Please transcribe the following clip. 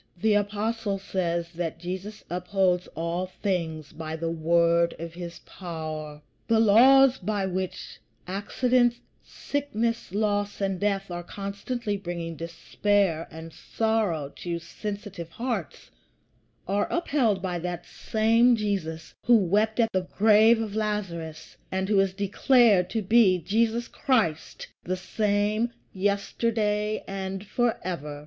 The Apostle says that Jesus upholds all things by the word of his power. The laws by which accident, sickness, loss, and death are constantly bringing despair and sorrow to sensitive hearts are upheld by that same Jesus who wept at the grave of Lazarus, and who is declared to be Jesus Christ, the same yesterday and forever.